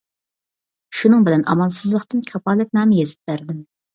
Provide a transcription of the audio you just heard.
شۇنىڭ بىلەن ئامالسىزلىقتىن كاپالەتنامە يېزىپ بەردىم.